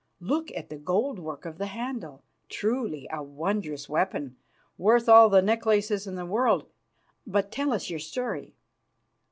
Look at the gold work of the handle. Truly a wondrous weapon, worth all the necklaces in the world. But tell us your story."